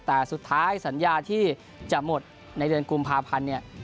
แต่สุดท้ายสัญญาที่จะหมดในเก